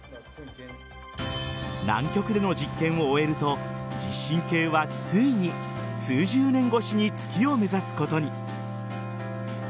南極での実験を終えると地震計はついに数十年越しに月を目指すことに。